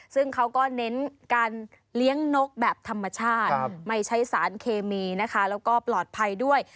ซึ่งเขาก็เน้นการเลี้ยงนกแบบธรรมชาติไม่ใช้สารเคมีนะคะแล้วก็ปลอดภัยด้วย